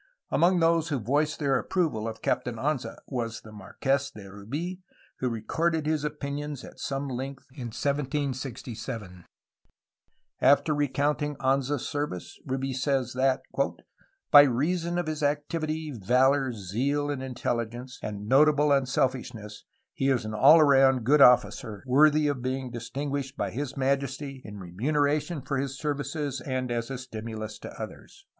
Among those who voiced their approval of Captain Anza was the Marques de Rubi, who recorded his opinions at some length in 1767. After re counting Anza's services Rubl says that "by reason of his activity, valor, zeal, intelligence, and notable unselfishness he is an all round good officer, worthy of being dis tinguished by His Majesty in remuneration for his services and as a stimulus to others.''